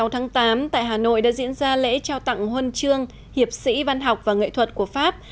sáu tháng tám tại hà nội đã diễn ra lễ trao tặng huân chương hiệp sĩ văn học và nghệ thuật của pháp